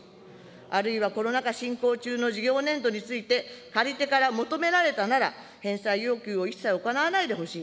あるいはコロナ禍進行中の事業年度について、借り手から求められたなら、返済要求を一切行わないでほしい。